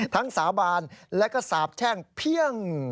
สาบานและก็สาบแช่งเพียง